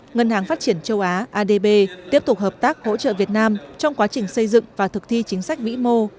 ngân hàng phát triển châu á adb tiếp tục hợp tác hỗ trợ việt nam trong quá trình xây dựng và thực thi chính sách vĩ mô